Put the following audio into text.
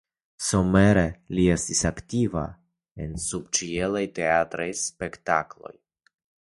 Somere li estis aktiva en subĉielaj teatraj spektakloj.